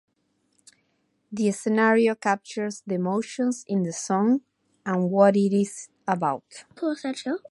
The scenario captures the emotions in the song and what it is about.